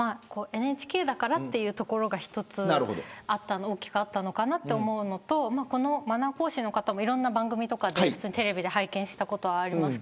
ＮＨＫだからというところが一つあったのが大きかったのかなと思うのとマナー講師の方もいろんな番組でテレビで拝見したことあります。